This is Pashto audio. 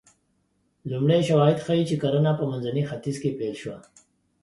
لومړي شواهد ښيي چې کرنه په منځني ختیځ کې پیل شوه